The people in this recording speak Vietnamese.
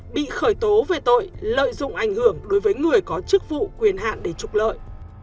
bị khởi tố về tội lợi dụng ảnh hưởng đối với người có chức vụ quyền hạn để trục lợi